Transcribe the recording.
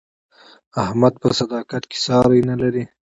احمد په صداقت کې ساری نه لري.